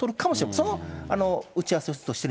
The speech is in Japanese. その打ち合わせをずっとしてるん